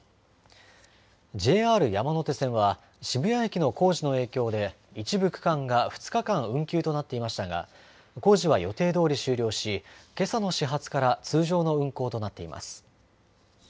ＪＲ山手線は、渋谷駅の工事の影響で一部区間が２日間運休となっていましたが、工事は予定どおり終了し、けさの始発から通常の運行となっています。